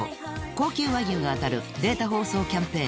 高級和牛が当たるデータ放送キャンペーン